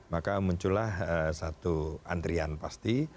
maka muncullah satu antrian pasti